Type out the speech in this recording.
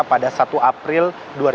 pada satu april dua ribu dua puluh